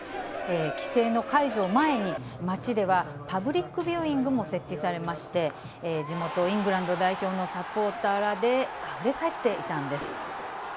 規制の解除を前に、街ではパブリックビューイングも設置されまして、地元イングランド代表のサポーターらであふれ返っていたんです。